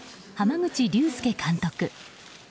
濱口竜介監督。